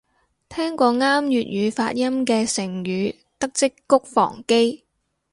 聽過啱粵語發音嘅成語得織菊防基